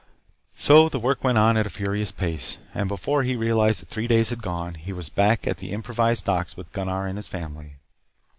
So the work went on at a furious pace, and before he realized that three days had gone he was back at the improvised docks with Gunnar and his family.